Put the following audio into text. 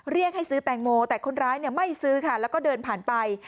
เรียกให้ซื้อแตงโมแต่คนร้ายไม่ซื้อค่ะแล้วก็เดินผ่านไป